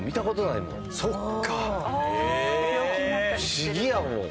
不思議やもん。